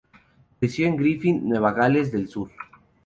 Creció en Griffith, Nueva Gales del Sur.